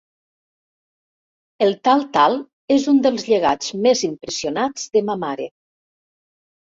El tal-tal és un dels llegats més impressionats de ma mare.